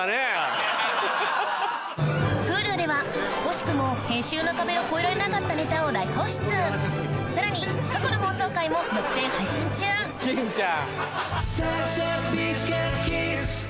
Ｈｕｌｕでは惜しくも編集の壁を越えられなかったネタを大放出さらに過去の放送回も独占配信中ぜひご覧ください